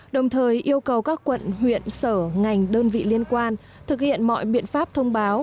đồng thời yêu cầu các quận huyện sở ngành đơn vị liên quan thực hiện mọi biện pháp thông báo